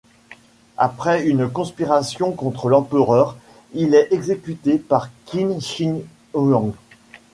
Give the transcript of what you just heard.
Après une conspiration contre l’empereur, il est exécuté par Qin Shi Huang.